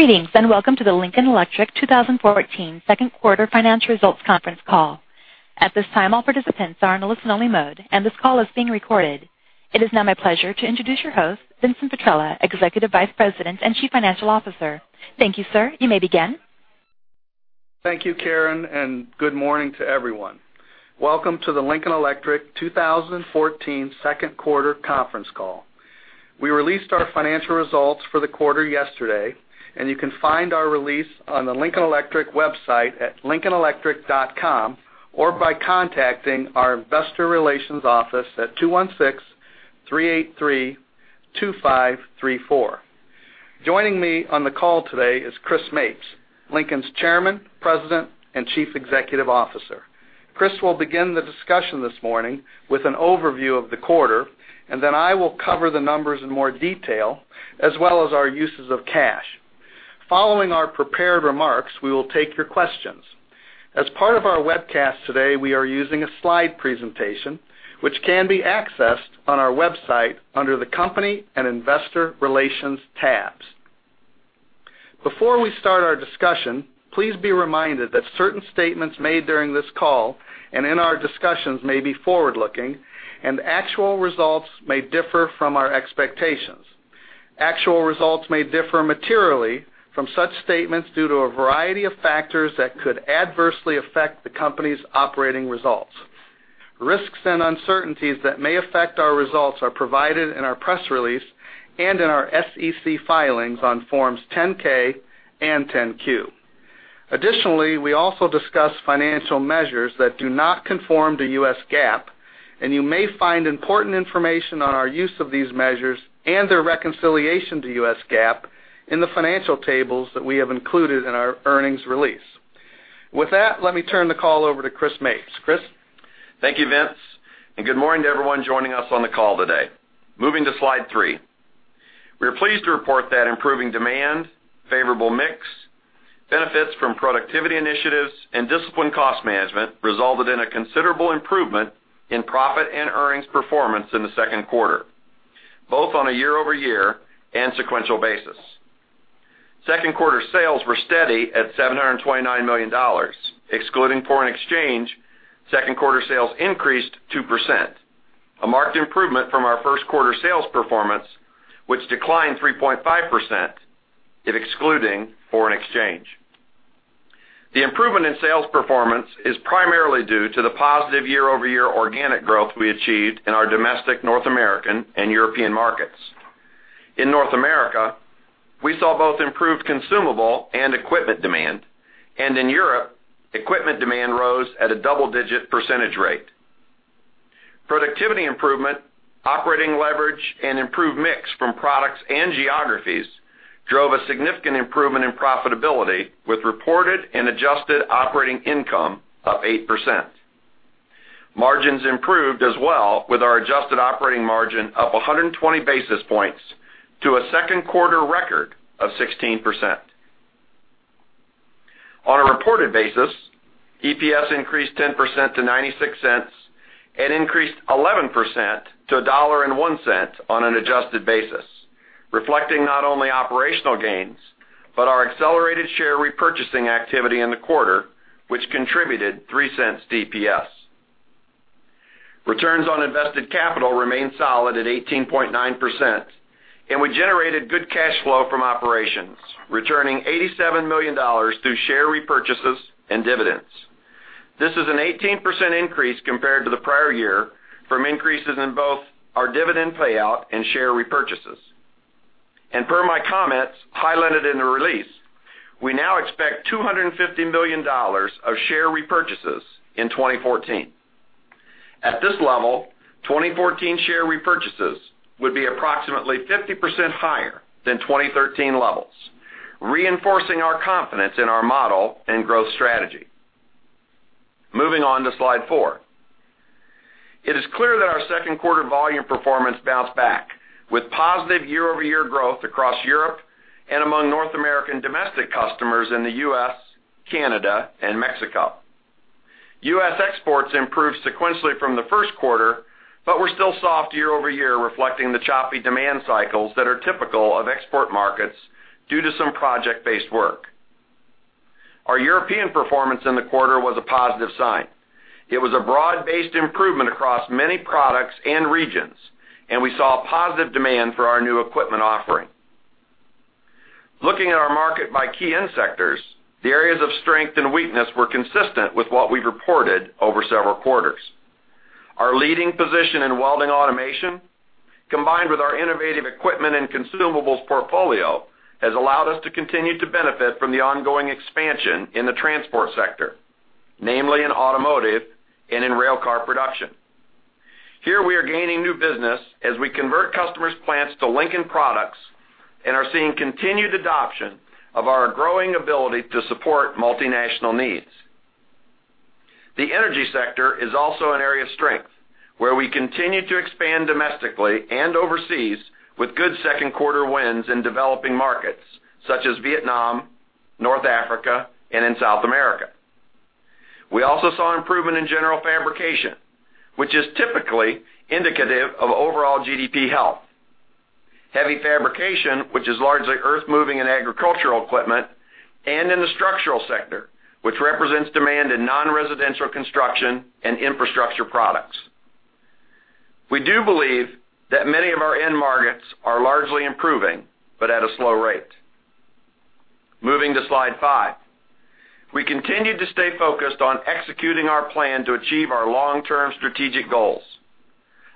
Greetings. Welcome to the Lincoln Electric 2014 second quarter financial results conference call. At this time, all participants are in a listen-only mode, and this call is being recorded. It is now my pleasure to introduce your host, Vincent Petrella, Executive Vice President and Chief Financial Officer. Thank you, sir. You may begin. Thank you, Karen. Good morning to everyone. Welcome to the Lincoln Electric 2014 second quarter conference call. We released our financial results for the quarter yesterday. You can find our release on the lincolnelectric.com website or by contacting our investor relations office at 216-383-2534. Joining me on the call today is Chris Mapes, Lincoln's Chairman, President, and Chief Executive Officer. Chris will begin the discussion this morning with an overview of the quarter. I will cover the numbers in more detail, as well as our uses of cash. Following our prepared remarks, we will take your questions. As part of our webcast today, we are using a slide presentation, which can be accessed on our website under the Company and Investor Relations tabs. Before we start our discussion, please be reminded that certain statements made during this call and in our discussions may be forward-looking. Actual results may differ from our expectations. Actual results may differ materially from such statements due to a variety of factors that could adversely affect the company's operating results. Risks and uncertainties that may affect our results are provided in our press release and in our SEC filings on Forms 10-K and 10-Q. Additionally, we also discuss financial measures that do not conform to U.S. GAAP. You may find important information on our use of these measures and their reconciliation to U.S. GAAP in the financial tables that we have included in our earnings release. With that, let me turn the call over to Chris Mapes. Chris? Thank you, Vince. Good morning to everyone joining us on the call today. Moving to Slide three. We are pleased to report that improving demand, favorable mix, benefits from productivity initiatives, and disciplined cost management resulted in a considerable improvement in profit and earnings performance in the second quarter, both on a year-over-year and sequential basis. Second quarter sales were steady at $729 million. Excluding foreign exchange, second quarter sales increased 2%, a marked improvement from our first quarter sales performance, which declined 3.5%, if excluding foreign exchange. The improvement in sales performance is primarily due to the positive year-over-year organic growth we achieved in our domestic North American and European markets. In North America, we saw both improved consumable and equipment demand. In Europe, equipment demand rose at a double-digit percentage rate. Productivity improvement, operating leverage, and improved mix from products and geographies drove a significant improvement in profitability with reported and adjusted operating income up 8%. Margins improved as well with our adjusted operating margin up 120 basis points to a second quarter record of 16%. On a reported basis, EPS increased 10% to $0.96 and increased 11% to $1.01 on an adjusted basis, reflecting not only operational gains, but our accelerated share repurchasing activity in the quarter, which contributed $0.03 to EPS. Returns on invested capital remained solid at 18.9%, and we generated good cash flow from operations, returning $87 million through share repurchases and dividends. This is an 18% increase compared to the prior year from increases in both our dividend payout and share repurchases. Per my comments highlighted in the release, we now expect $250 million of share repurchases in 2014. At this level, 2014 share repurchases would be approximately 50% higher than 2013 levels, reinforcing our confidence in our model and growth strategy. Moving on to Slide four. It is clear that our second quarter volume performance bounced back with positive year-over-year growth across Europe and among North American domestic customers in the U.S., Canada, and Mexico. U.S. exports improved sequentially from the first quarter, but were still soft year-over-year, reflecting the choppy demand cycles that are typical of export markets due to some project-based work. Our European performance in the quarter was a positive sign. It was a broad-based improvement across many products and regions, and we saw positive demand for our new equipment offering. Looking at our market by key end sectors, the areas of strength and weakness were consistent with what we've reported over several quarters. Our leading position in welding automation, combined with our innovative equipment and consumables portfolio, has allowed us to continue to benefit from the ongoing expansion in the transport sector, namely in automotive and in railcar production. Here we are gaining new business as we convert customers' plants to Lincoln products and are seeing continued adoption of our growing ability to support multinational needs. The energy sector is also an area of strength, where we continue to expand domestically and overseas with good second quarter wins in developing markets such as Vietnam, North Africa, and in South America. We also saw improvement in general fabrication, which is typically indicative of overall GDP health. Heavy fabrication, which is largely earth-moving and agricultural equipment, and in the structural sector, which represents demand in non-residential construction and infrastructure products. We do believe that many of our end markets are largely improving, but at a slow rate. Moving to Slide five. We continue to stay focused on executing our plan to achieve our long-term strategic goals.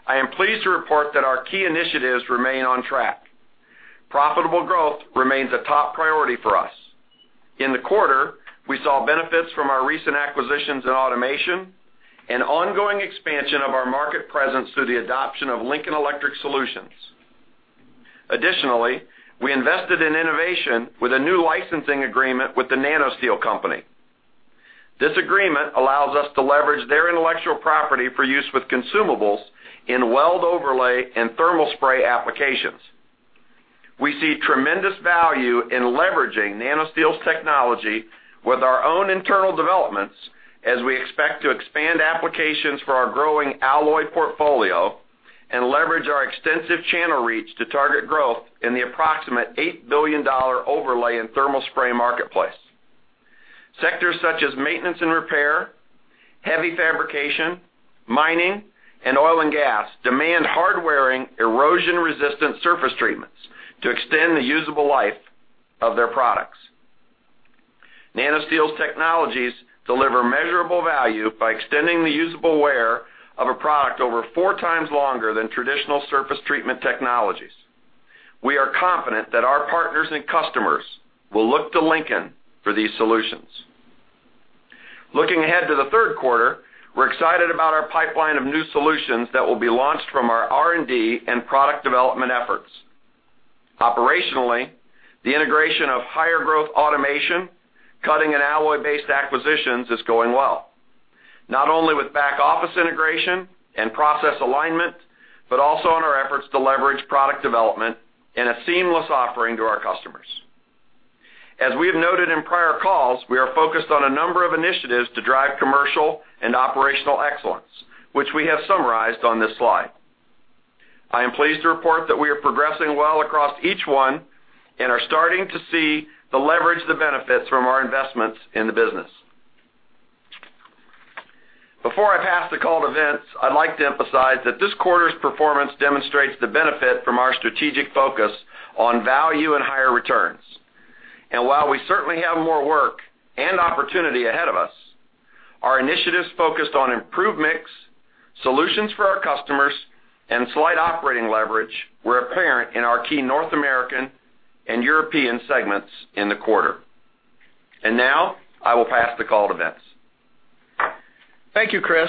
I am pleased to report that our key initiatives remain on track. Profitable growth remains a top priority for us. In the quarter, we saw benefits from our recent acquisitions in automation and ongoing expansion of our market presence through the adoption of Lincoln Electric solutions. Additionally, we invested in innovation with a new licensing agreement with The NanoSteel Company. This agreement allows us to leverage their intellectual property for use with consumables in weld overlay and thermal spray applications. We see tremendous value in leveraging NanoSteel's technology with our own internal developments as we expect to expand applications for our growing alloy portfolio and leverage our extensive channel reach to target growth in the approximate $8 billion overlay in thermal spray marketplace. Sectors such as maintenance and repair, heavy fabrication, mining, and oil and gas demand hard-wearing, erosion-resistant surface treatments to extend the usable life of their products. NanoSteel's technologies deliver measurable value by extending the usable wear of a product over four times longer than traditional surface treatment technologies. We are confident that our partners and customers will look to Lincoln for these solutions. Looking ahead to the third quarter, we're excited about our pipeline of new solutions that will be launched from our R&D and product development efforts. Operationally, the integration of higher-growth automation, cutting and alloy-based acquisitions is going well, not only with back-office integration and process alignment, but also in our efforts to leverage product development in a seamless offering to our customers. As we have noted in prior calls, we are focused on a number of initiatives to drive commercial and operational excellence, which we have summarized on this slide. I am pleased to report that we are progressing well across each one and are starting to see the leverage, the benefits from our investments in the business. Before I pass the call to Vince, I'd like to emphasize that this quarter's performance demonstrates the benefit from our strategic focus on value and higher returns. While we certainly have more work and opportunity ahead of us, our initiatives focused on improved mix, solutions for our customers, and slight operating leverage were apparent in our key North American and European segments in the quarter. Now, I will pass the call to Vince. Thank you, Chris.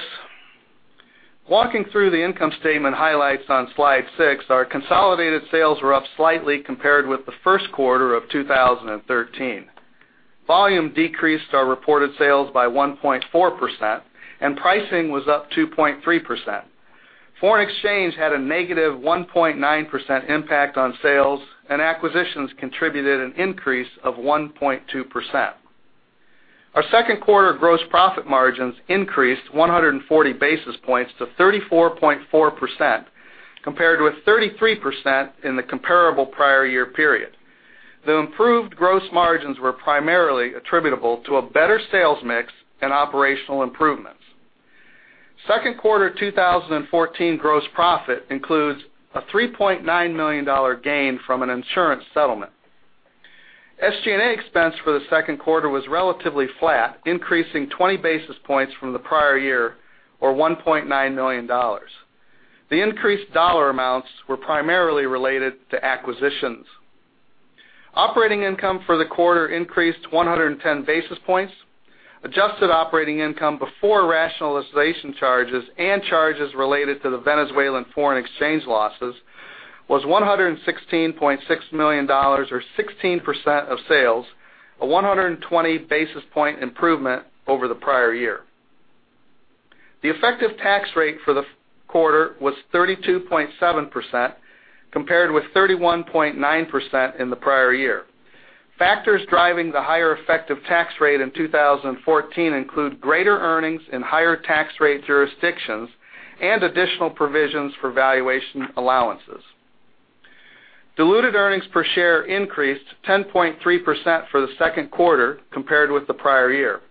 Walking through the income statement highlights on slide six, our consolidated sales were up slightly compared with the first quarter of 2013. Volume decreased our reported sales by 1.4%, and pricing was up 2.3%. Foreign exchange had a negative 1.9% impact on sales, and acquisitions contributed an increase of 1.2%. Our second quarter gross profit margins increased 140 basis points to 34.4%, compared with 33% in the comparable prior year period. The improved gross margins were primarily attributable to a better sales mix and operational improvements. Second quarter 2014 gross profit includes a $3.9 million gain from an insurance settlement. SG&A expense for the second quarter was relatively flat, increasing 20 basis points from the prior year or $1.9 million. The increased dollar amounts were primarily related to acquisitions. Operating income for the quarter increased 110 basis points. Adjusted operating income before rationalization charges and charges related to the Venezuelan foreign exchange losses was $116.6 million or 16% of sales, a 120 basis point improvement over the prior year. The effective tax rate for the quarter was 32.7%, compared with 31.9% in the prior year. Factors driving the higher effective tax rate in 2014 include greater earnings in higher tax rate jurisdictions and additional provisions for valuation allowances. Diluted earnings per share increased 10.3% for the second quarter compared with the prior year.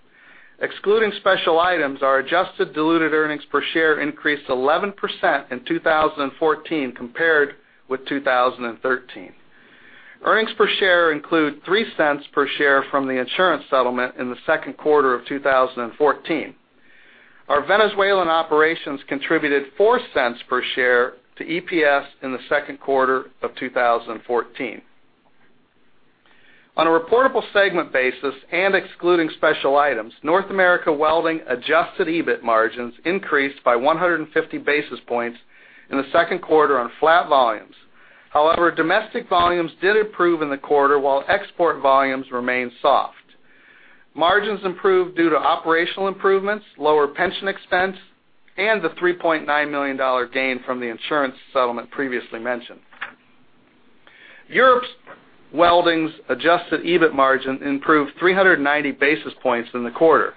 Excluding special items, our adjusted diluted earnings per share increased 11% in 2014 compared with 2013. Earnings per share include $0.03 per share from the insurance settlement in the second quarter of 2014. Our Venezuelan operations contributed $0.04 per share to EPS in the second quarter of 2014. On a reportable segment basis and excluding special items, North America Welding adjusted EBIT margins increased by 150 basis points in the second quarter on flat volumes. However, domestic volumes did improve in the quarter, while export volumes remained soft. Margins improved due to operational improvements, lower pension expense, and the $3.9 million gain from the insurance settlement previously mentioned. Europe's welding's adjusted EBIT margin improved 390 basis points in the quarter.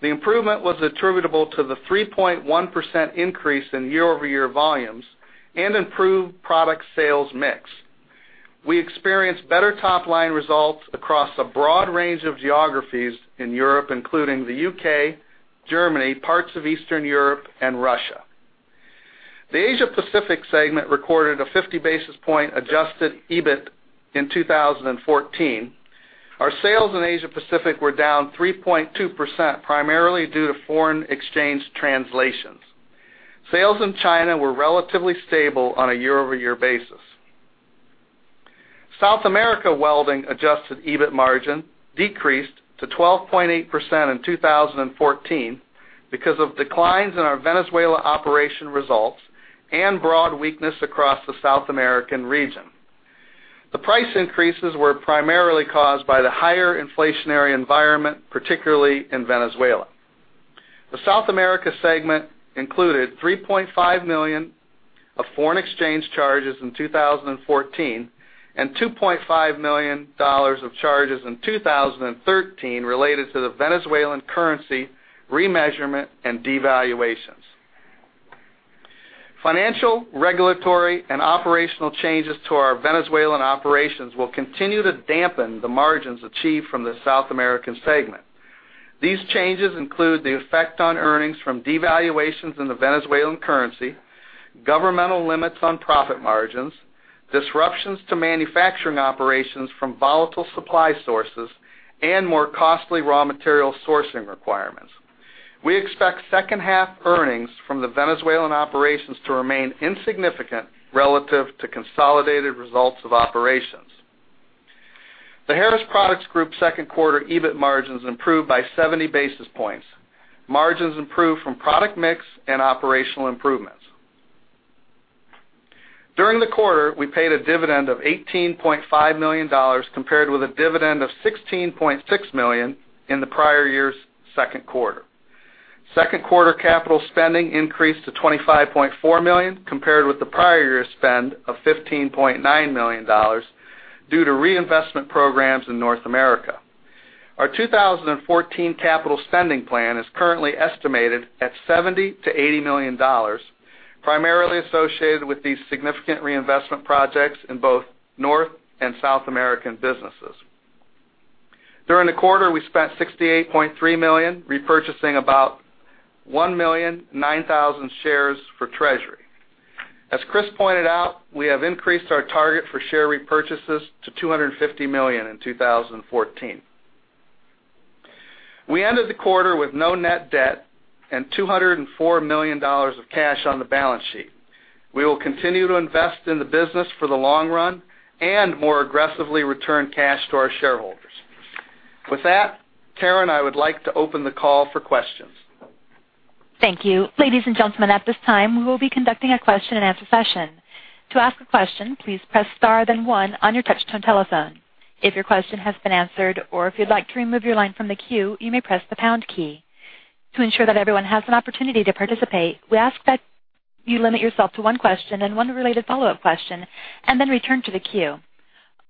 The improvement was attributable to the 3.1% increase in year-over-year volumes and improved product sales mix. We experienced better top-line results across a broad range of geographies in Europe, including the U.K., Germany, parts of Eastern Europe, and Russia. The Asia-Pacific segment recorded a 50 basis point adjusted EBIT in 2014. Our sales in Asia-Pacific were down 3.2%, primarily due to foreign exchange translations. Sales in China were relatively stable on a year-over-year basis. South America welding adjusted EBIT margin decreased to 12.8% in 2014 because of declines in our Venezuela operation results and broad weakness across the South American region. The price increases were primarily caused by the higher inflationary environment, particularly in Venezuela. The South America segment included $3.5 million of foreign exchange charges in 2014 and $2.5 million of charges in 2013 related to the Venezuelan currency remeasurement and devaluations. Financial, regulatory, and operational changes to our Venezuelan operations will continue to dampen the margins achieved from the South American segment. These changes include the effect on earnings from devaluations in the Venezuelan currency, governmental limits on profit margins, disruptions to manufacturing operations from volatile supply sources, and more costly raw material sourcing requirements. We expect second half earnings from the Venezuelan operations to remain insignificant relative to consolidated results of operations. The Harris Products Group second quarter EBIT margins improved by 70 basis points. Margins improved from product mix and operational improvements. During the quarter, we paid a dividend of $18.5 million, compared with a dividend of $16.6 million in the prior year's second quarter. Second quarter capital spending increased to $25.4 million, compared with the prior year's spend of $15.9 million due to reinvestment programs in North America. Our 2014 capital spending plan is currently estimated at $70 million-$80 million, primarily associated with these significant reinvestment projects in both North and South American businesses. During the quarter, we spent $68.3 million repurchasing about 1,009,000 shares for treasury. As Chris pointed out, we have increased our target for share repurchases to $250 million in 2014. We ended the quarter with no net debt and $204 million of cash on the balance sheet. We will continue to invest in the business for the long run and more aggressively return cash to our shareholders. With that, Tara and I would like to open the call for questions. Thank you. Ladies and gentlemen, at this time, we will be conducting a question-and-answer session. To ask a question, please press star then one on your touch-tone telephone. If your question has been answered or if you'd like to remove your line from the queue, you may press the pound key. To ensure that everyone has an opportunity to participate, we ask that you limit yourself to one question and one related follow-up question, and then return to the queue.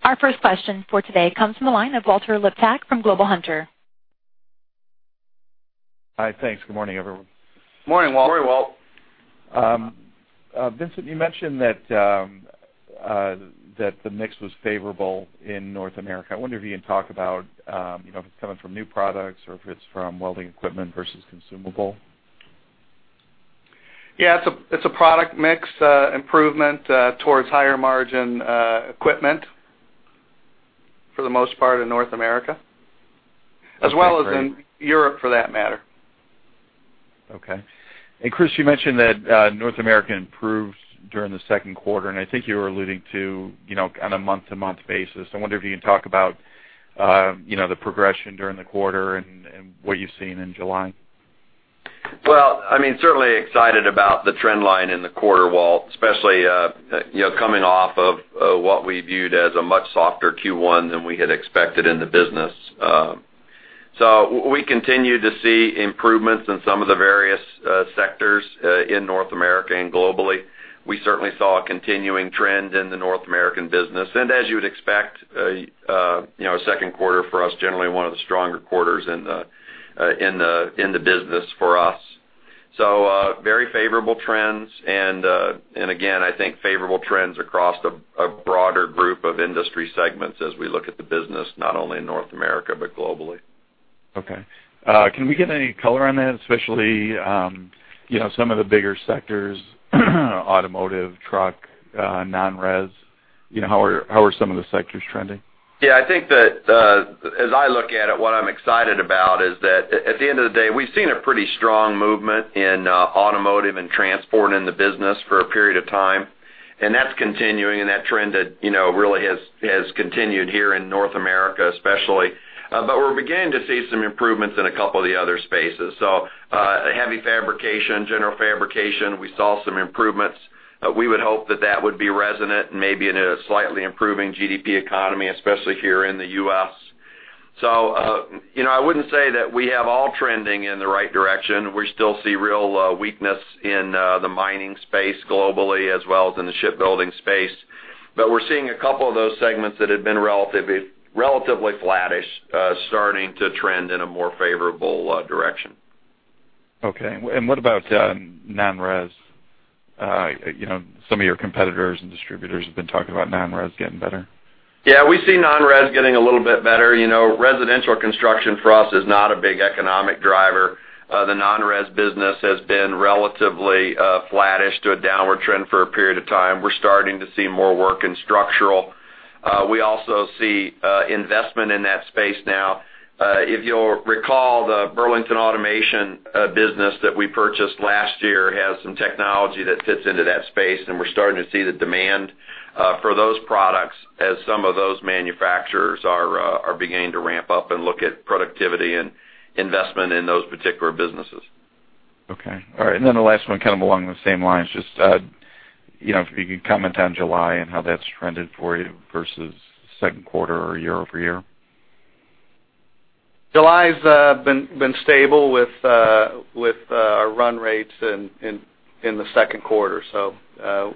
Our first question for today comes from the line of Walter Liptak from Global Hunter. Hi. Thanks. Good morning, everyone. Morning, Walt. Morning, Walt. Vincent, you mentioned that the mix was favorable in North America. I wonder if you can talk about if it's coming from new products or if it's from welding equipment versus consumable. Yeah, it's a product mix improvement towards higher margin equipment for the most part in North America, as well as in Europe, for that matter. Okay. Chris, you mentioned that North America improved during the second quarter, and I think you were alluding to on a month-to-month basis. I wonder if you can talk about the progression during the quarter and what you've seen in July. Well, certainly excited about the trend line in the quarter, Walt, especially coming off of what we viewed as a much softer Q1 than we had expected in the business. We continue to see improvements in some of the various sectors in North America and globally. We certainly saw a continuing trend in the North American business, as you would expect, second quarter for us, generally one of the stronger quarters in the business for us. Very favorable trends. Again, I think favorable trends across a broader group of industry segments as we look at the business, not only in North America, but globally. Okay. Can we get any color on that, especially some of the bigger sectors, automotive, truck, non-res? How are some of the sectors trending? Yeah, I think that as I look at it, what I'm excited about is that at the end of the day, we've seen a pretty strong movement in automotive and transport in the business for a period of time, and that's continuing, that trend really has continued here in North America, especially. We're beginning to see some improvements in a couple of the other spaces. Heavy fabrication, general fabrication, we saw some improvements. We would hope that that would be resonant and maybe in a slightly improving GDP economy, especially here in the U.S. I wouldn't say that we have all trending in the right direction. We still see real weakness in the mining space globally as well as in the shipbuilding space. We're seeing a couple of those segments that had been relatively flattish, starting to trend in a more favorable direction. Okay. What about non-res? Some of your competitors and distributors have been talking about non-res getting better. We see non-res getting a little bit better. Residential construction for us is not a big economic driver. The non-res business has been relatively flattish to a downward trend for a period of time. We're starting to see more work in structural. We also see investment in that space now. If you'll recall, the Burlington Automation business that we purchased last year has some technology that fits into that space, and we're starting to see the demand for those products as some of those manufacturers are beginning to ramp up and look at productivity and investment in those particular businesses. Okay. All right, the last one along the same lines, just if you could comment on July and how that's trended for you versus second quarter or year-over-year? July's been stable with our run rates in the second quarter.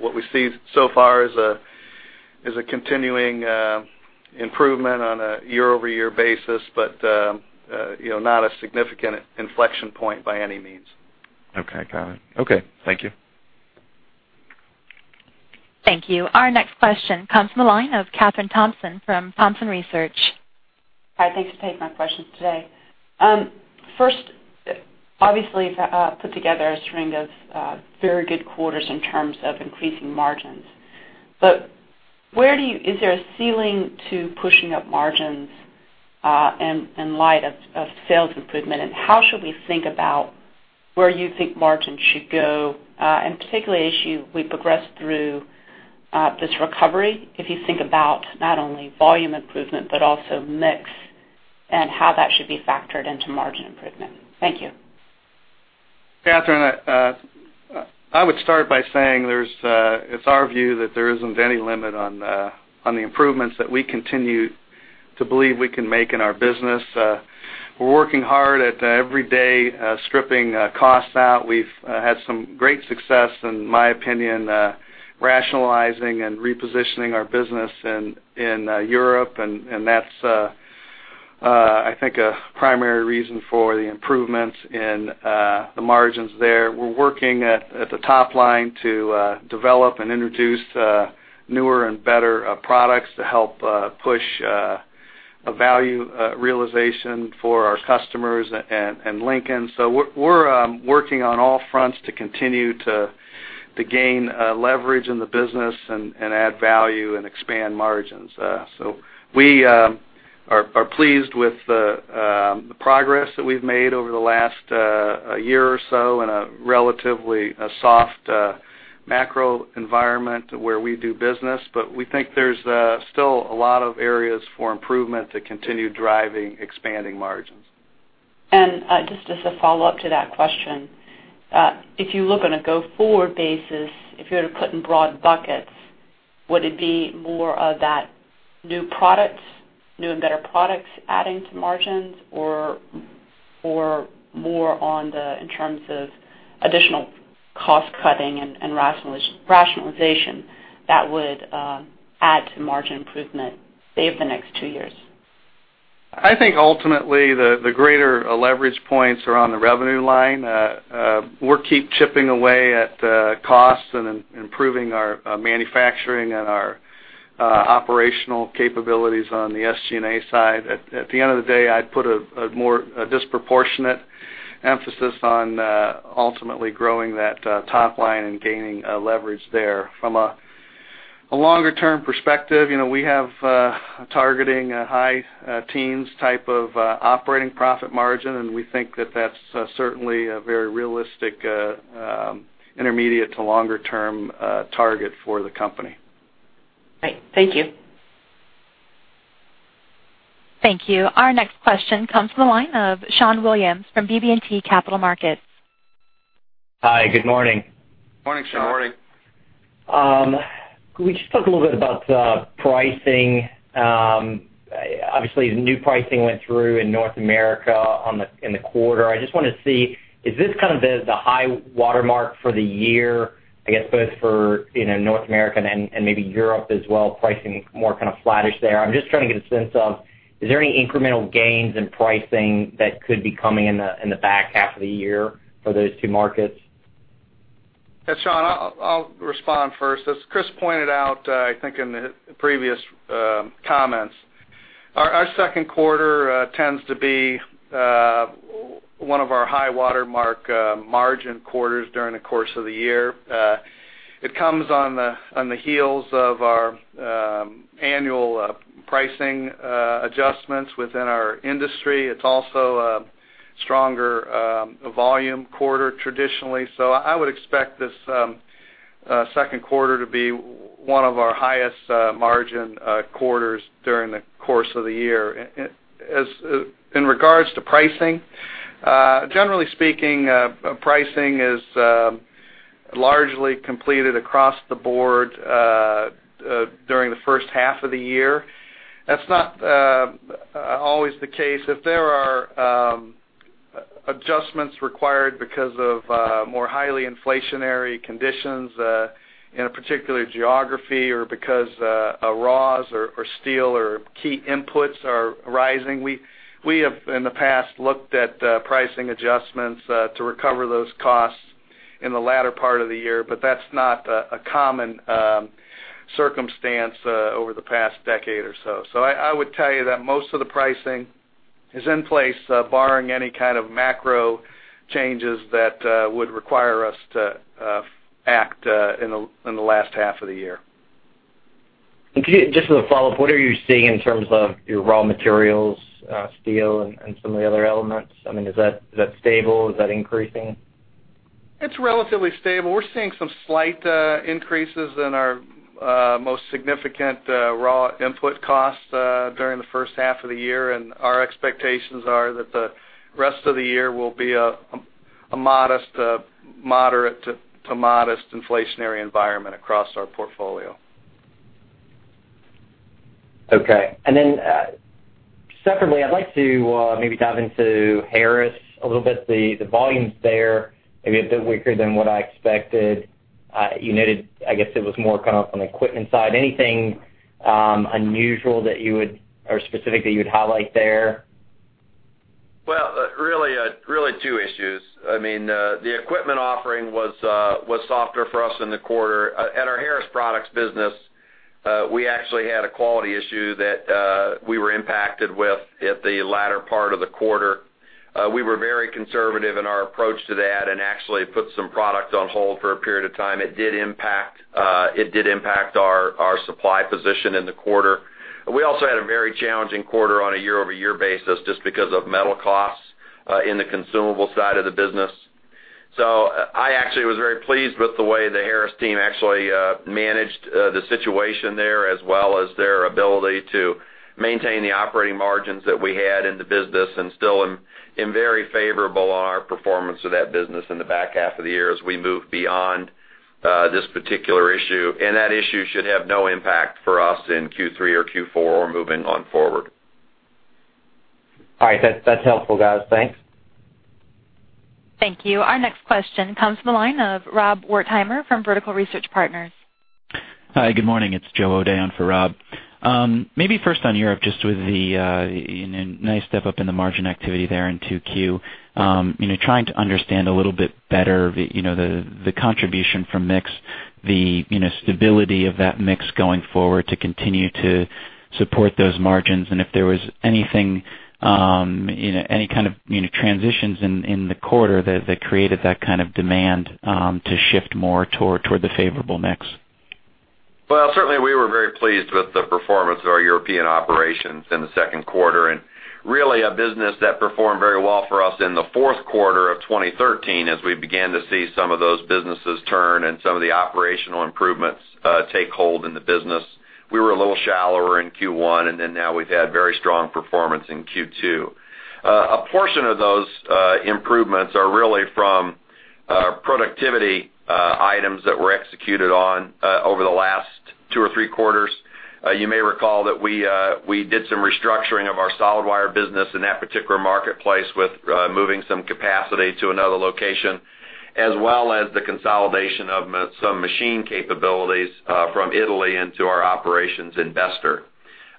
What we see so far is a continuing improvement on a year-over-year basis, but not a significant inflection point by any means. Okay, got it. Okay. Thank you. Thank you. Our next question comes from the line of Kathryn Thompson from Thompson Research. Hi, thanks for taking my questions today. First, obviously, you've put together a string of very good quarters in terms of increasing margins. Is there a ceiling to pushing up margins in light of sales improvement, and how should we think about where you think margins should go, and particularly as we progress through this recovery, if you think about not only volume improvement, but also mix and how that should be factored into margin improvement? Thank you. Kathryn, I would start by saying, it's our view that there isn't any limit on the improvements that we continue to believe we can make in our business. We're working hard at every day stripping costs out. We've had some great success, in my opinion, rationalizing and repositioning our business in Europe, and that's, I think, a primary reason for the improvements in the margins there. We're working at the top line to develop and introduce newer and better products to help push a value realization for our customers and Lincoln. We're working on all fronts to continue to gain leverage in the business and add value and expand margins. We are pleased with the progress that we've made over the last year or so in a relatively soft macro environment where we do business. We think there's still a lot of areas for improvement to continue driving expanding margins. just as a follow-up to that question, if you look on a go-forward basis, if you were to put in broad buckets, would it be more of that new products, new and better products adding to margins, or more on the, in terms of additional cost cutting and rationalization that would add to margin improvement, say, over the next two years? I think ultimately, the greater leverage points are on the revenue line. We'll keep chipping away at costs and improving our manufacturing and our operational capabilities on the SG&A side. At the end of the day, I'd put a disproportionate emphasis on ultimately growing that top line and gaining leverage there. From a longer-term perspective, we have targeting a high teens type of operating profit margin, and we think that that's certainly a very realistic intermediate to longer-term target for the company. Great. Thank you. Thank you. Our next question comes from the line of Sean Williams from BB&T Capital Markets. Hi, good morning. Morning, Sean. Good morning. Could we just talk a little bit about the pricing? Obviously, the new pricing went through in North America in the quarter. I just wanted to see, is this kind of the high watermark for the year, I guess both for North America and maybe Europe as well, pricing more kind of flattish there. I'm just trying to get a sense of, is there any incremental gains in pricing that could be coming in the back half of the year for those two markets? Yeah, Sean, I'll respond first. As Chris pointed out, I think in the previous comments, our second quarter tends to be one of our high watermark margin quarters during the course of the year. It comes on the heels of our annual pricing adjustments within our industry. It's also a stronger volume quarter traditionally. I would expect this second quarter to be one of our highest margin quarters during the course of the year. In regards to pricing, generally speaking, pricing is largely completed across the board during the first half of the year. That's not always the case. If there are adjustments required because of more highly inflationary conditions in a particular geography, or because raws or steel or key inputs are rising, we have, in the past, looked at pricing adjustments to recover those costs in the latter part of the year, but that's not a common circumstance over the past decade or so. I would tell you that most of the pricing is in place, barring any kind of macro changes that would require us to act in the last half of the year. Just as a follow-up, what are you seeing in terms of your raw materials, steel, and some of the other elements? Is that stable? Is that increasing? It's relatively stable. We're seeing some slight increases in our most significant raw input costs during the first half of the year, our expectations are that the rest of the year will be a moderate to modest inflationary environment across our portfolio. Okay. Separately, I'd like to maybe dive into Harris a little bit. The volumes there may be a bit weaker than what I expected. You noted, I guess it was more coming up on the equipment side. Anything unusual that you would, or specific that you would highlight there? Well, really two issues. The equipment offering was softer for us in the quarter. At our Harris Products business, we actually had a quality issue that we were impacted with at the latter part of the quarter. We were very conservative in our approach to that and actually put some products on hold for a period of time. It did impact our supply position in the quarter. We also had a very challenging quarter on a year-over-year basis just because of metal costs in the consumable side of the business. I actually was very pleased with the way the Harris team actually managed the situation there, as well as their ability to maintain the operating margins that we had in the business and still am very favorable on our performance of that business in the back half of the year as we move beyond this particular issue. That issue should have no impact for us in Q3 or Q4 or moving on forward. All right. That's helpful, guys. Thanks. Thank you. Our next question comes from the line of Rob Wertheimer from Vertical Research Partners. Hi, good morning. It's Joe O'Dea in for Rob. First on Europe, just with the nice step up in the margin activity there in 2Q. I'm trying to understand a little bit better the contribution from mix, the stability of that mix going forward to continue to support those margins, and if there was any kind of transitions in the quarter that created that kind of demand to shift more toward the favorable mix. Certainly, we were very pleased with the performance of our European operations in the second quarter, really a business that performed very well for us in the fourth quarter of 2013 as we began to see some of those businesses turn and some of the operational improvements take hold in the business. We were a little shallower in Q1, now we've had very strong performance in Q2. A portion of those improvements are really from productivity items that were executed on over the last two or three quarters. You may recall that we did some restructuring of our solid wire business in that particular marketplace with moving some capacity to another location, as well as the consolidation of some machine capabilities from Italy into our operations in Bester.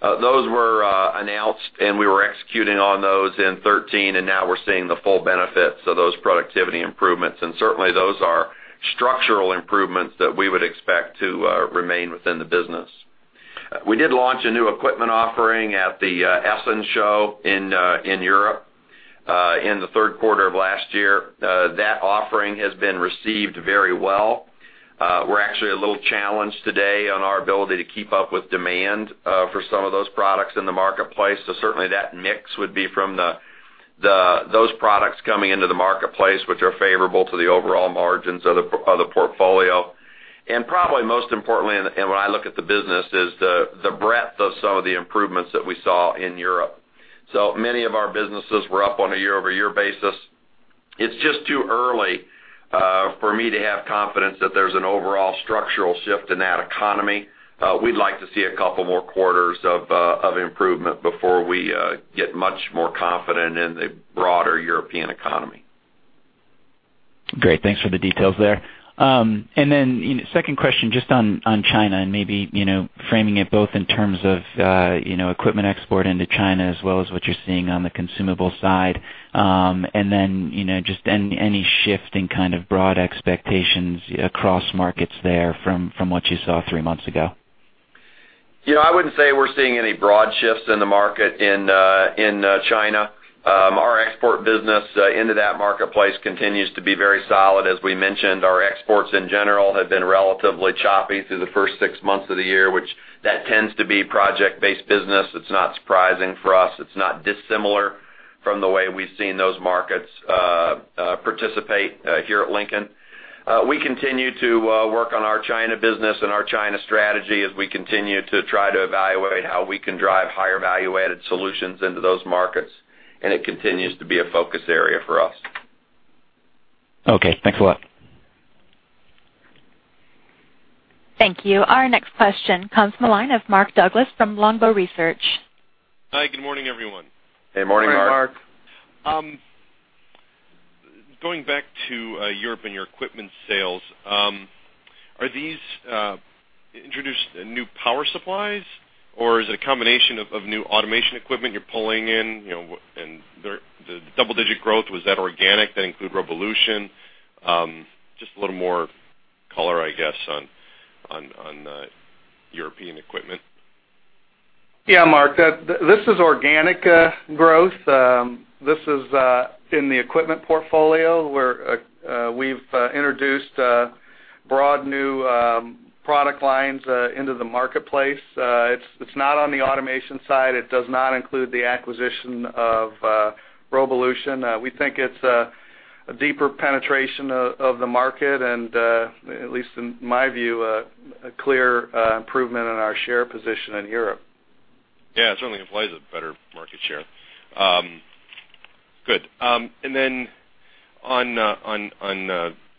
Those were announced, we were executing on those in 2013, now we're seeing the full benefits of those productivity improvements. Certainly, those are structural improvements that we would expect to remain within the business. We did launch a new equipment offering at the Essen Show in Europe in the third quarter of last year. That offering has been received very well. We're actually a little challenged today on our ability to keep up with demand for some of those products in the marketplace. Certainly that mix would be from those products coming into the marketplace, which are favorable to the overall margins of the portfolio. Probably most importantly, when I look at the business, is the breadth of some of the improvements that we saw in Europe. Many of our businesses were up on a year-over-year basis. It's just too early for me to have confidence that there's an overall structural shift in that economy. We'd like to see a couple more quarters of improvement before we get much more confident in the broader European economy. Great. Thanks for the details there. Second question, just on China and maybe framing it both in terms of equipment export into China, as well as what you're seeing on the consumable side. Just any shift in kind of broad expectations across markets there from what you saw three months ago? I wouldn't say we're seeing any broad shifts in the market in China. Our export business into that marketplace continues to be very solid. As we mentioned, our exports in general have been relatively choppy through the first six months of the year, which that tends to be project-based business. It's not surprising for us. It's not dissimilar from the way we've seen those markets participate here at Lincoln. We continue to work on our China business and our China strategy as we continue to try to evaluate how we can drive higher value-added solutions into those markets. It continues to be a focus area for us. Okay, thanks a lot. Thank you. Our next question comes from the line of Mark Douglas from Longbow Research. Hi, good morning, everyone. Hey, morning, Mark. Morning, Mark. Going back to Europe and your equipment sales, are these introduced new power supplies, or is it a combination of new automation equipment you're pulling in? The double-digit growth, was that organic? That include Robolution? Just a little more color, I guess, on European equipment. Yeah, Mark. This is organic growth. This is in the equipment portfolio where we've introduced broad new product lines into the marketplace. It's not on the automation side. It does not include the acquisition of Robolution. We think it's a deeper penetration of the market and, at least in my view, a clear improvement in our share position in Europe. Yeah, it certainly implies a better market share. Good. Then on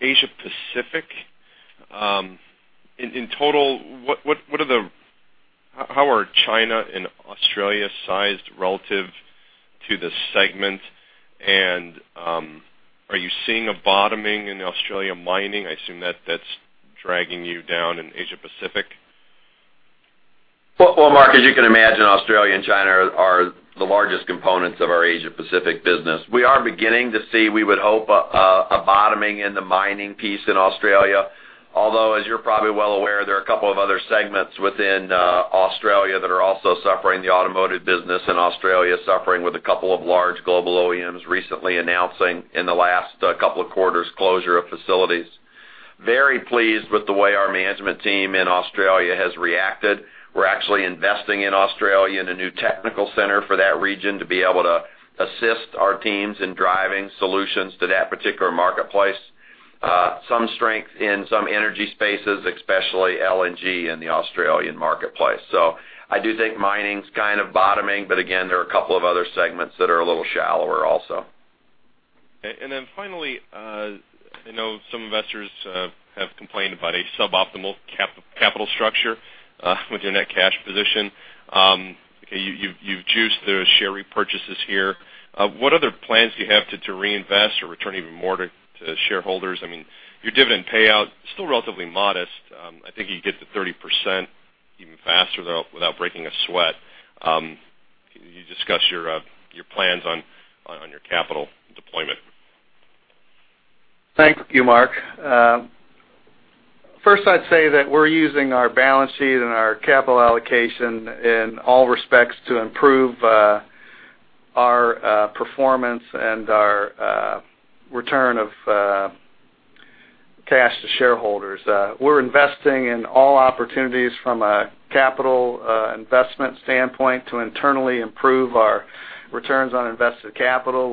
Asia Pacific, in total, how are China and Australia sized relative to the segment? Are you seeing a bottoming in Australian mining? I assume that's dragging you down in Asia Pacific. Well, Mark, as you can imagine, Australia and China are the largest components of our Asia Pacific business. We are beginning to see, we would hope, a bottoming in the mining piece in Australia, although as you're probably well aware, there are a couple of other segments within Australia that are also suffering. The automotive business in Australia is suffering with a couple of large global OEMs recently announcing in the last couple of quarters closure of facilities. Very pleased with the way our management team in Australia has reacted. We're actually investing in Australia in a new technical center for that region to be able to assist our teams in driving solutions to that particular marketplace. Some strength in some energy spaces, especially LNG in the Australian marketplace. I do think mining is kind of bottoming, but again, there are a couple of other segments that are a little shallower also. Okay. Finally, I know some investors have complained about a suboptimal capital structure with your net cash position. You've juiced the share repurchases here. What other plans do you have to reinvest or return even more to shareholders? Your dividend payout is still relatively modest. I think you'd get to 30% even faster without breaking a sweat. Can you discuss your plans on your capital deployment? Thank you, Mark. First, I'd say that we're using our balance sheet and our capital allocation in all respects to improve our performance and our return of cash to shareholders. We're investing in all opportunities from a capital investment standpoint to internally improve our returns on invested capital.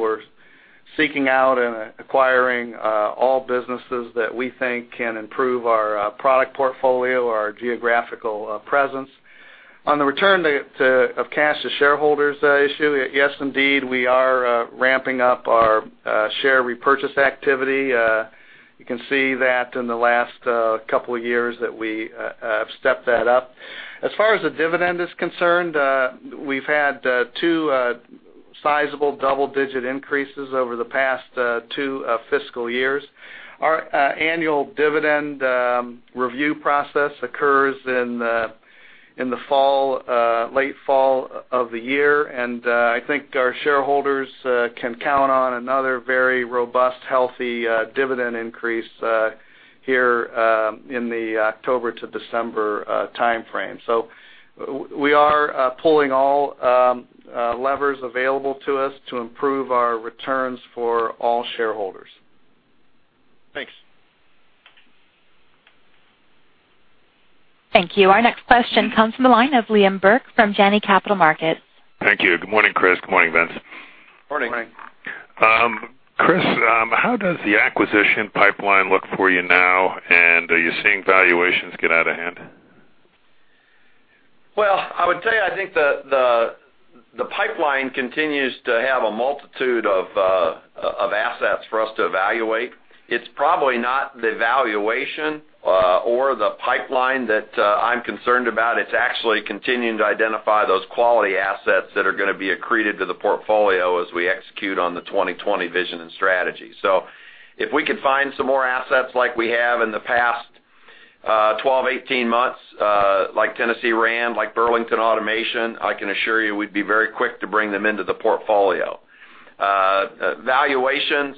We're seeking out and acquiring all businesses that we think can improve our product portfolio, our geographical presence. On the return of cash to shareholders issue, yes, indeed, we are ramping up our share repurchase activity. You can see that in the last couple of years that we have stepped that up. As far as the dividend is concerned, we've had two sizable double-digit increases over the past two fiscal years. Our annual dividend review process occurs in the late fall of the year. I think our shareholders can count on another very robust, healthy dividend increase here in the October to December timeframe. We are pulling all levers available to us to improve our returns for all shareholders. Thanks. Thank you. Our next question comes from the line of Liam Burke from Janney Montgomery Scott. Thank you. Good morning, Chris. Good morning, Vince. Morning. Morning. Chris, how does the acquisition pipeline look for you now? Are you seeing valuations get out of hand? I would tell you, I think the pipeline continues to have a multitude of assets for us to evaluate. It's probably not the valuation or the pipeline that I'm concerned about. It's actually continuing to identify those quality assets that are going to be accretive to the portfolio as we execute on the 2020 Vision & Strategy. If we could find some more assets like we have in the past 12, 18 months, like Tennessee Rand, like Burlington Automation, I can assure you we'd be very quick to bring them into the portfolio. Valuations,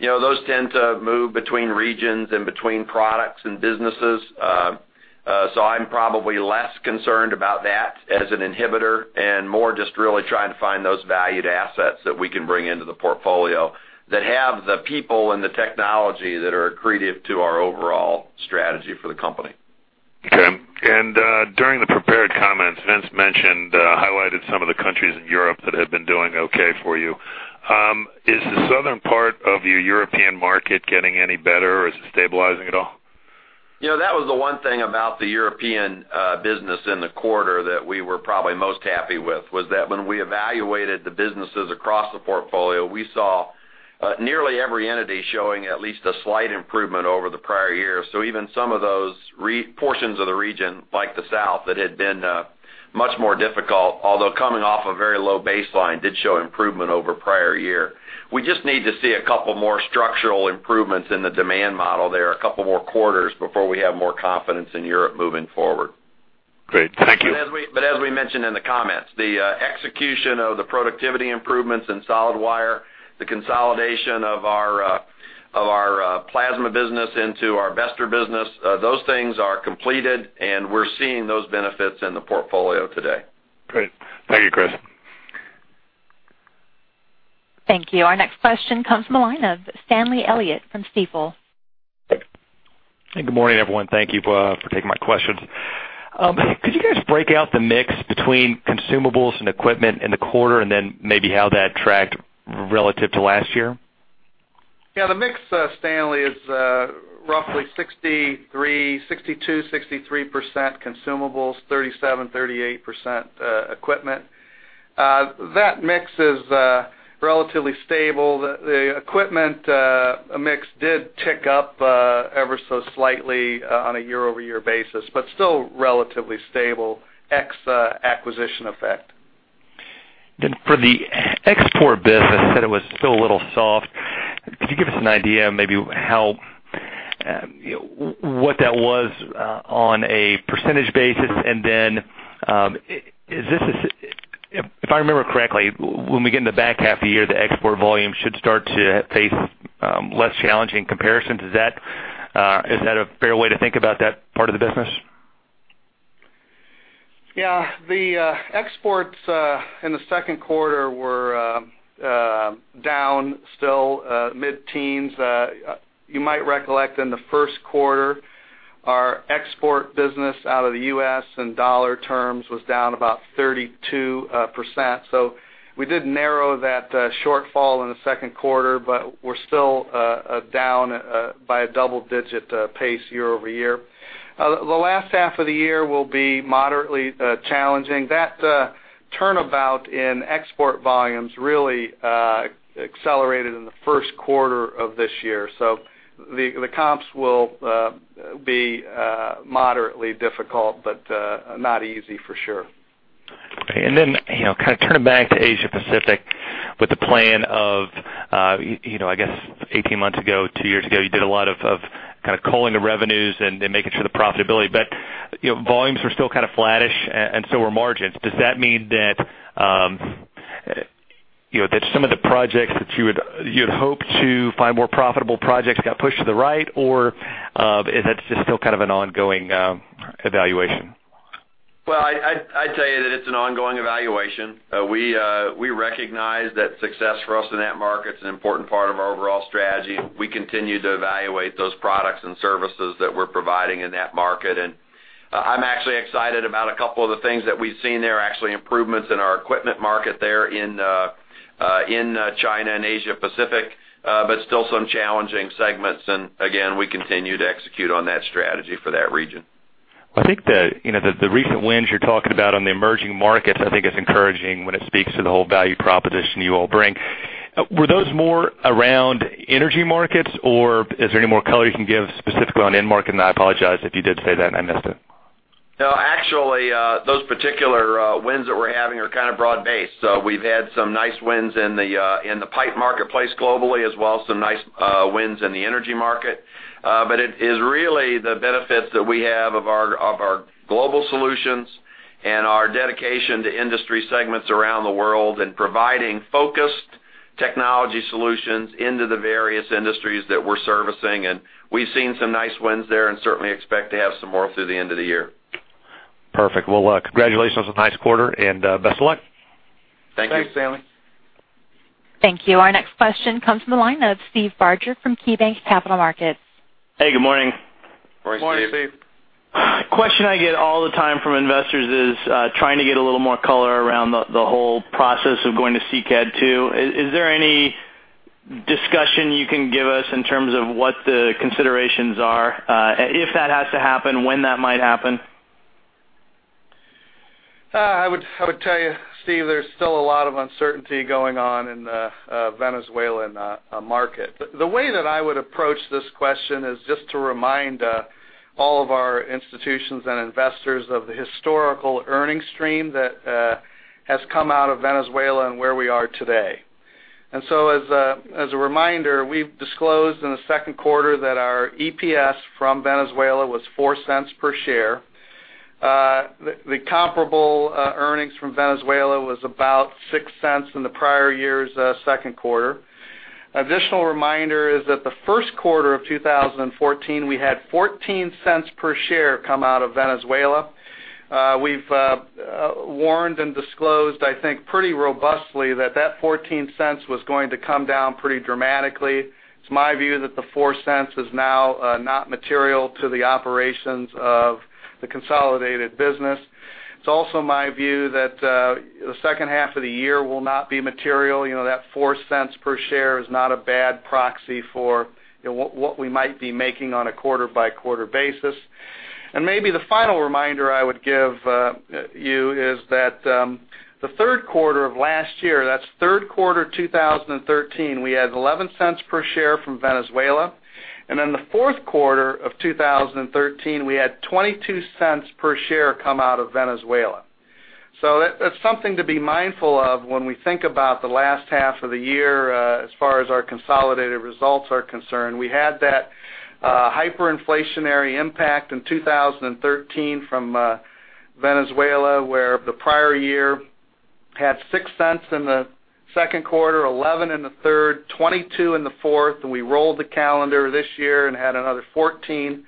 those tend to move between regions and between products and businesses. I'm probably less concerned about that as an inhibitor and more just really trying to find those valued assets that we can bring into the portfolio that have the people and the technology that are accretive to our overall strategy for the company. Okay. During the prepared comments, Vince mentioned, highlighted some of the countries in Europe that have been doing okay for you. Is the southern part of your European market getting any better, or is it stabilizing at all? That was the one thing about the European business in the quarter that we were probably most happy with, was that when we evaluated the businesses across the portfolio, we saw nearly every entity showing at least a slight improvement over the prior year. Even some of those portions of the region, like the South, that had been much more difficult, although coming off a very low baseline, did show improvement over prior year. We just need to see a couple more structural improvements in the demand model there, a couple more quarters before we have more confidence in Europe moving forward. Great. Thank you. As we mentioned in the comments, the execution of the productivity improvements in solid wire, the consolidation of our plasma business into our Bester business, those things are completed, and we're seeing those benefits in the portfolio today. Great. Thank you, Chris. Thank you. Our next question comes from the line of Stanley Elliott from Stifel. Hey, good morning, everyone. Thank you for taking my questions. Could you guys break out the mix between consumables and equipment in the quarter, and then maybe how that tracked relative to last year? Yeah, the mix, Stanley, is roughly 62%-63% consumables, 37%-38% equipment. That mix is relatively stable. The equipment mix did tick up ever so slightly on a year-over-year basis, but still relatively stable, ex acquisition effect. For the export business, said it was still a little soft. Could you give us an idea of maybe what that was on a percentage basis, if I remember correctly, when we get in the back half of the year, the export volume should start to face less challenging comparisons. Is that a fair way to think about that part of the business? Yeah. The exports in the second quarter were down still mid-teens. You might recollect in the first quarter, our export business out of the U.S. in dollar terms was down about 32%. We did narrow that shortfall in the second quarter, but we're still down by a double-digit pace year-over-year. The last half of the year will be moderately challenging. That turnabout in export volumes really accelerated in the first quarter of this year. The comps will be moderately difficult, but not easy for sure. Okay. Kind of turning back to Asia Pacific with the plan of, I guess 18 months ago, two years ago, you did a lot of kind of culling the revenues and making sure the profitability, but volumes were still kind of flattish and so were margins. Does that mean that some of the projects that you had hoped to find more profitable projects got pushed to the right? Or is that just still kind of an ongoing evaluation? Well, I'd tell you that it's an ongoing evaluation. We recognize that success for us in that market is an important part of our overall strategy. We continue to evaluate those products and services that we're providing in that market. I'm actually excited about a couple of the things that we've seen there, actually improvements in our equipment market there in China and Asia Pacific, but still some challenging segments. Again, we continue to execute on that strategy for that region. I think that the recent wins you're talking about on the emerging markets, I think is encouraging when it speaks to the whole value proposition you all bring. Were those more around energy markets, or is there any more color you can give specifically on end market? I apologize if you did say that and I missed it. No, actually, those particular wins that we're having are kind of broad-based. We've had some nice wins in the pipe marketplace globally, as well as some nice wins in the energy market. It is really the benefits that we have of our global solutions and our dedication to industry segments around the world and providing focused technology solutions into the various industries that we're servicing. We've seen some nice wins there and certainly expect to have some more through the end of the year. Perfect. Well, congratulations on a nice quarter, and best of luck. Thank you. Thanks, Stanley. Thank you. Our next question comes from the line of Steve Barger from KeyBanc Capital Markets. Hey, good morning. Morning, Steve. Morning, Steve. Question I get all the time from investors is trying to get a little more color around the whole process of going to SICAD II. Is there any discussion you can give us in terms of what the considerations are, if that has to happen, when that might happen? I would tell you, Steve, there's still a lot of uncertainty going on in the Venezuelan market. The way that I would approach this question is just to remind all of our institutions and investors of the historical earnings stream that has come out of Venezuela and where we are today. As a reminder, we've disclosed in the second quarter that our EPS from Venezuela was $0.04 per share. The comparable earnings from Venezuela was about $0.06 in the prior year's second quarter. Additional reminder is that the first quarter of 2014, we had $0.14 per share come out of Venezuela. We've warned and disclosed, I think, pretty robustly that that $0.14 was going to come down pretty dramatically. It's my view that the $0.04 is now not material to the operations of The consolidated business. It's also my view that the second half of the year will not be material. That $0.04 per share is not a bad proxy for what we might be making on a quarter-by-quarter basis. Maybe the final reminder I would give you is that the third quarter of last year, that's third quarter 2013, we had $0.11 per share from Venezuela. The fourth quarter of 2013, we had $0.22 per share come out of Venezuela. That's something to be mindful of when we think about the last half of the year, as far as our consolidated results are concerned. We had that hyperinflationary impact in 2013 from Venezuela, where the prior year had $0.06 in the second quarter, $0.11 in the third, $0.22 in the fourth, and we rolled the calendar this year and had another $0.14.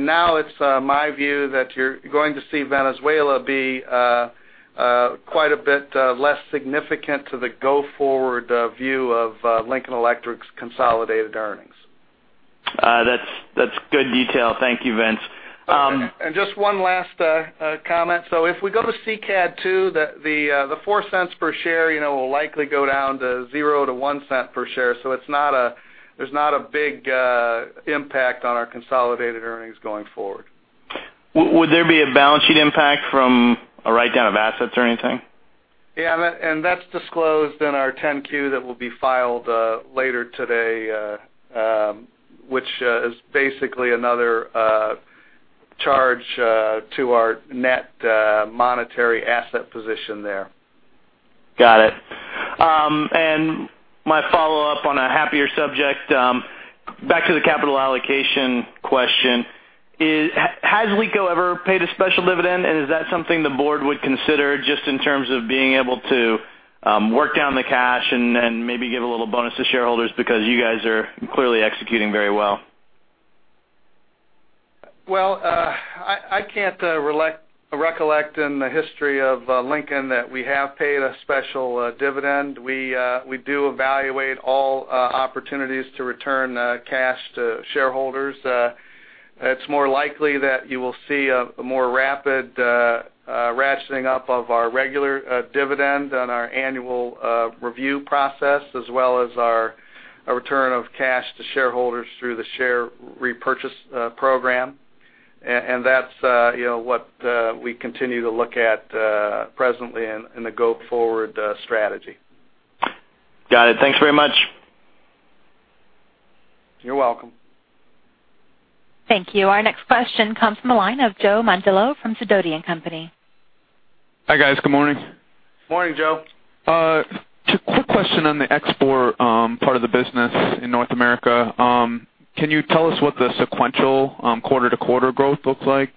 Now it's my view that you're going to see Venezuela be quite a bit less significant to the go-forward view of Lincoln Electric's consolidated earnings. That's good detail. Thank you, Vince. Just one last comment. If we go to SICAD II, the $0.04 per share will likely go down to 0 to $0.01 per share. There's not a big impact on our consolidated earnings going forward. Would there be a balance sheet impact from a write-down of assets or anything? That's disclosed in our 10-Q that will be filed later today, which is basically another charge to our net monetary asset position there. Got it. My follow-up, on a happier subject, back to the capital allocation question. Has LECO ever paid a special dividend, and is that something the board would consider just in terms of being able to work down the cash and maybe give a little bonus to shareholders because you guys are clearly executing very well? Well, I can't recollect in the history of Lincoln that we have paid a special dividend. We do evaluate all opportunities to return cash to shareholders. It's more likely that you will see a more rapid ratcheting up of our regular dividend on our annual review process, as well as our return of cash to shareholders through the share repurchase program. That's what we continue to look at presently in the go-forward strategy. Got it. Thanks very much. You're welcome. Thank you. Our next question comes from the line of Joseph Mondillo from Sidoti & Company. Hi, guys. Good morning. Morning, Joe. Just a quick question on the export part of the business in North America. Can you tell us what the sequential quarter-to-quarter growth looks like?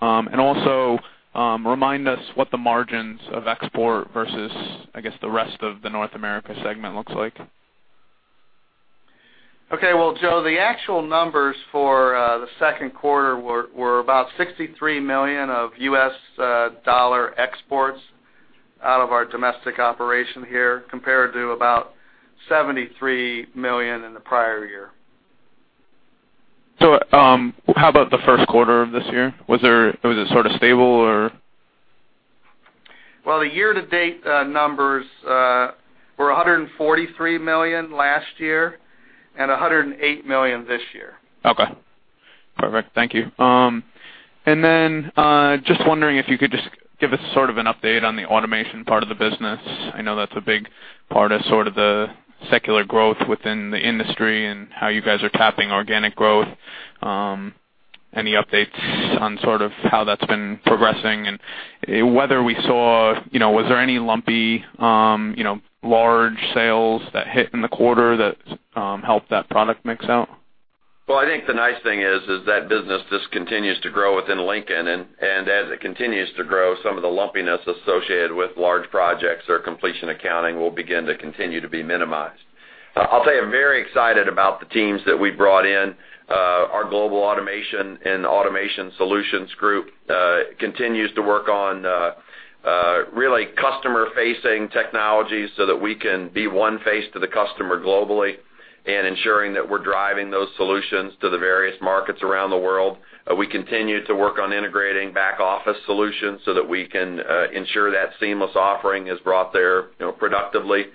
Also, remind us what the margins of export versus, I guess, the rest of the North America segment looks like. Okay. Well, Joe, the actual numbers for the second quarter were about $63 million of U.S. dollar exports out of our domestic operation here, compared to about $73 million in the prior year. How about the first quarter of this year? Was it sort of stable, or? Well, the year-to-date numbers were $143 million last year and $108 million this year. Okay. Perfect. Thank you. Just wondering if you could just give us sort of an update on the automation part of the business. I know that's a big part of the secular growth within the industry and how you guys are tapping organic growth. Any updates on how that's been progressing and whether was there any lumpy large sales that hit in the quarter that helped that product mix out? Well, I think the nice thing is that business just continues to grow within Lincoln. As it continues to grow, some of the lumpiness associated with large projects or completion accounting will begin to continue to be minimized. I'll tell you, I'm very excited about the teams that we brought in. Our Global Automation and Automation Solutions Group continues to work on really customer-facing technologies so that we can be one face to the customer globally and ensuring that we're driving those solutions to the various markets around the world. We continue to work on integrating back-office solutions so that we can ensure that seamless offering is brought there productively.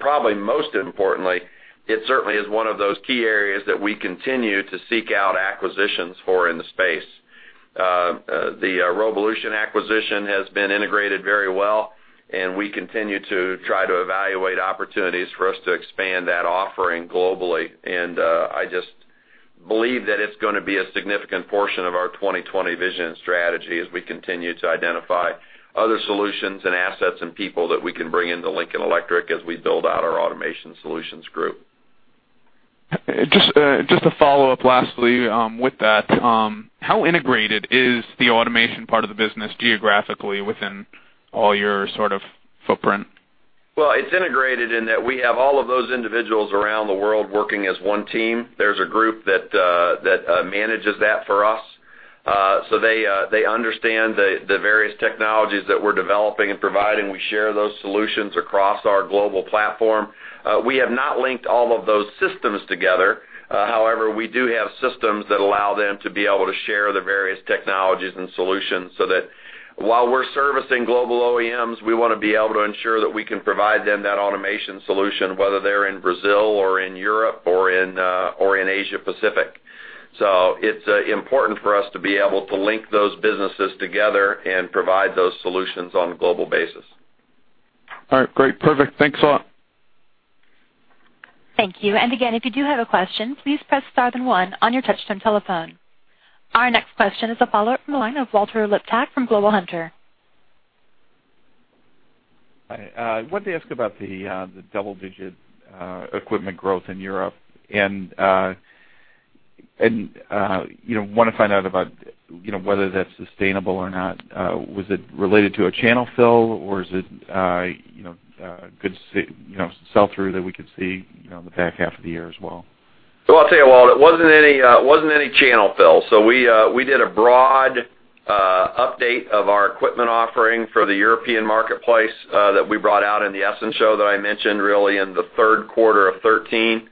Probably most importantly, it certainly is one of those key areas that we continue to seek out acquisitions for in the space. The Robolution acquisition has been integrated very well, we continue to try to evaluate opportunities for us to expand that offering globally. I just believe that it's going to be a significant portion of our 2020 Vision & Strategy as we continue to identify other solutions and assets and people that we can bring into Lincoln Electric as we build out our automation solutions group. Just a follow-up lastly with that. How integrated is the automation part of the business geographically within all your sort of footprint? Well, it's integrated in that we have all of those individuals around the world working as one team. There's a group that manages that for us. They understand the various technologies that we're developing and providing. We share those solutions across our global platform. We have not linked all of those systems together. However, we do have systems that allow them to be able to share the various technologies and solutions, so that while we're servicing global OEMs, we want to be able to ensure that we can provide them that automation solution, whether they're in Brazil or in Europe or in Asia Pacific. It's important for us to be able to link those businesses together and provide those solutions on a global basis. All right, great. Perfect. Thanks a lot. Thank you. If you do have a question, please press star then one on your touchtone telephone. Our next question is a follow-up from the line of Walter Liptak from Global Hunter. Hi. I wanted to ask about the double-digit equipment growth in Europe and want to find out about whether that's sustainable or not. Was it related to a channel fill or is it good sell-through that we could see the back half of the year as well? I'll tell you, Walt, it wasn't any channel fill. We did a broad update of our equipment offering for the European marketplace, that we brought out in the Essen Show that I mentioned, really in the third quarter of 2013.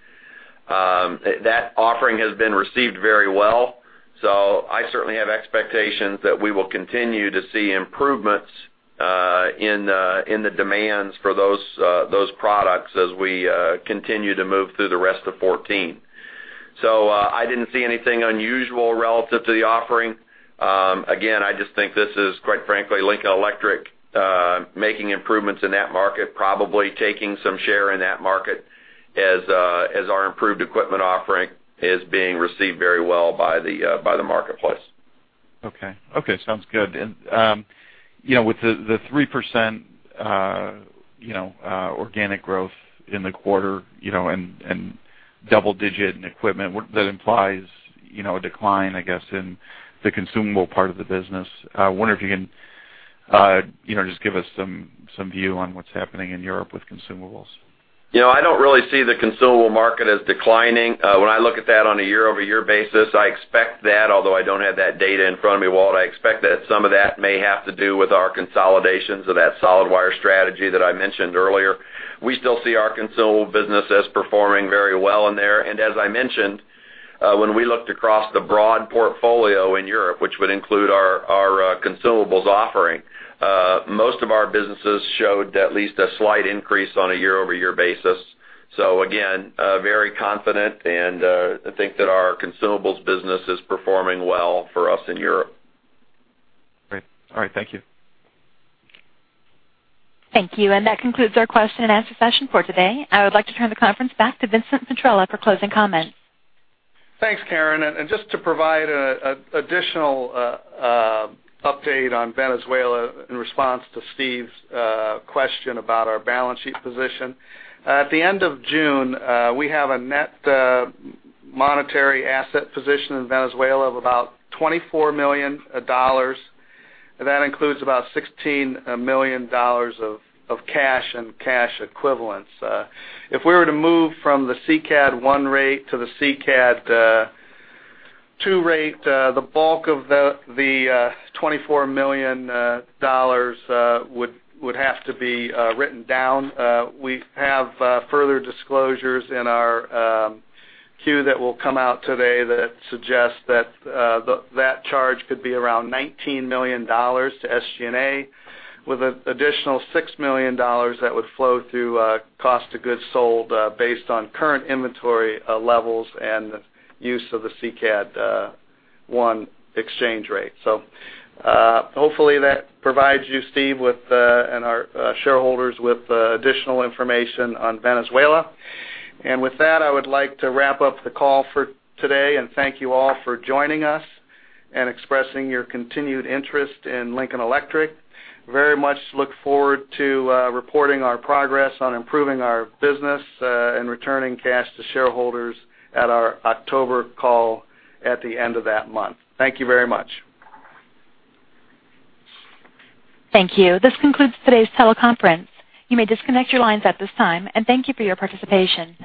That offering has been received very well. I certainly have expectations that we will continue to see improvements in the demands for those products as we continue to move through the rest of 2014. I didn't see anything unusual relative to the offering. Again, I just think this is, quite frankly, Lincoln Electric, making improvements in that market, probably taking some share in that market as our improved equipment offering is being received very well by the marketplace. Okay. Sounds good. With the 3% organic growth in the quarter and double-digit in equipment, that implies a decline, I guess, in the consumable part of the business. I wonder if you can just give us some view on what's happening in Europe with consumables. I don't really see the consumable market as declining. When I look at that on a year-over-year basis, I expect that, although I don't have that data in front of me, Walt, I expect that some of that may have to do with our consolidations of that solid wire strategy that I mentioned earlier. We still see our consumable business as performing very well in there. As I mentioned, when we looked across the broad portfolio in Europe, which would include our consumables offering, most of our businesses showed at least a slight increase on a year-over-year basis. Again, very confident and, I think that our consumables business is performing well for us in Europe. Great. All right. Thank you. Thank you. That concludes our question and answer session for today. I would like to turn the conference back to Vincent Petrella for closing comments. Thanks, Karen. Just to provide additional update on Venezuela in response to Steve's question about our balance sheet position. At the end of June, we have a net monetary asset position in Venezuela of about $24 million. That includes about $16 million of cash and cash equivalents. If we were to move from the SICAD I rate to the SICAD II rate, the bulk of the $24 million would have to be written down. We have further disclosures in our 10-Q that will come out today that suggests that charge could be around $19 million to SG&A, with an additional $6 million that would flow through cost of goods sold, based on current inventory levels and the use of the SICAD I exchange rate. Hopefully that provides you, Steve, and our shareholders with additional information on Venezuela. With that, I would like to wrap up the call for today and thank you all for joining us and expressing your continued interest in Lincoln Electric. Very much look forward to reporting our progress on improving our business, and returning cash to shareholders at our October call at the end of that month. Thank you very much. Thank you. This concludes today's teleconference. You may disconnect your lines at this time, and thank you for your participation.